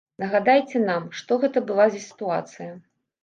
Нагадайце нам, што гэта была за сітуацыя.